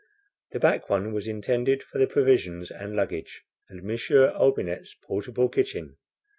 The back one was intended for the provisions and luggage, and M. Olbinett's portable kitchen.